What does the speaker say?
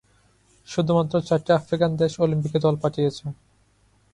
শুধুমাত্র চারটি আফ্রিকান দেশ অলিম্পিকে দল পাঠিয়েছে।